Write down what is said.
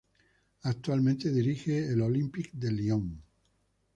Actualmente dirige al Olympique de Lyon.